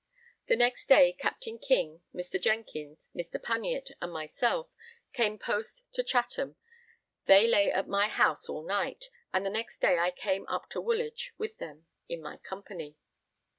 The next day Captain King, Mr. Jenkins, Mr. Puniett, and myself, came post to Chatham; they lay at my house all night, and the next day I came up to Woolwich with them in my company.